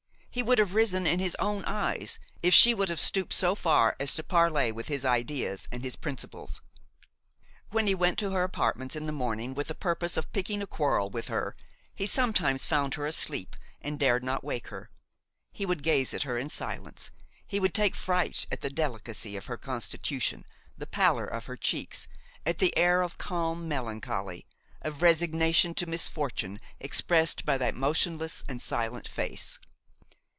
He would have risen in his own eyes if she would have stooped so far as to parley with his ideas and his principles. When he went to her apartments in the morning with the purpose of picking a quarrel with her, he sometimes found her asleep and dared not wake her. He would gaze at her in silence; he would take fright at the delicacy of her constitution, the pallor of her cheeks, at the air of calm melancholy, of resignation to misfortune expressed by that motionless and silent face.